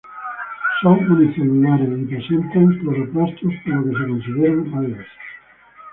Son unicelulares y presentan cloroplastos, por lo que se consideran algas.